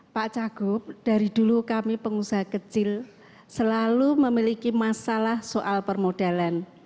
pak cagup dari dulu kami pengusaha kecil selalu memiliki masalah soal permodalan